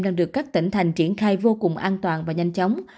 đang được các tỉnh thành triển khai vô cùng an toàn và nhanh chóng